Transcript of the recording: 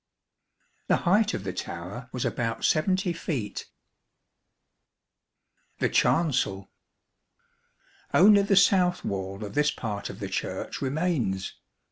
The height of the tower was about 70 feet. The Chancel. Only the south wall of this part of the Church remains.